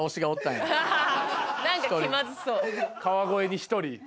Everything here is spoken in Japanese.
何か気まずそう。